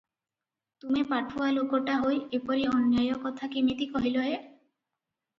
ତୁମେ ପାଠୁଆ ଲୋକଟା ହୋଇ ଏପରି ଅନ୍ୟାୟ କଥା କିମିତି କହିଲ ହେ?